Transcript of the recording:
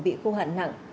bị khô hạn nặng